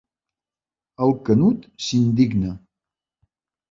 El Canut s'indigna.